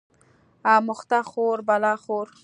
اموخته خور بلا خور